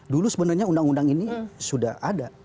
dulu sebenarnya undang undang ini sudah ada